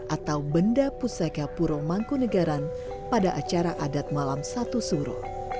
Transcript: atau benda pusaka puro mangkunegaran pada acara adat malam satu suro